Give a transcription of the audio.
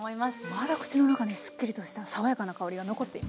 まだ口の中にすっきりとした爽やかな香りが残っています。